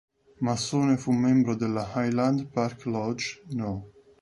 Massone, fu membro della "Highland Park Lodge" No.